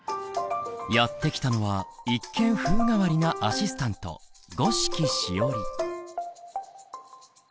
やって来たのは一見風変わりなアシスタント五色しおり。